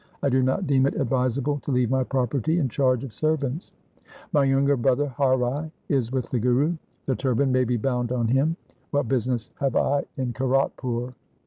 I do not deem it advisable to leave my property in charge of servants. My younger brother Har Rai is with the Guru. The 222 THE SIKH RELIGION turban may be bound on him. What business have I in Kiratpur